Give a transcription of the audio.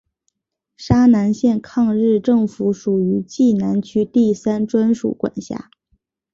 沙南县抗日政府属于冀南区第三专署管辖。